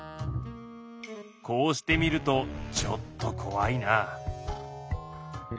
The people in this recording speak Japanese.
こうして見るとちょっとこわいな。